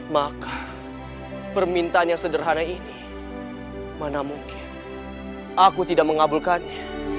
maka permintaan yang sederhana ini mana mungkin aku tidak mengabulkannya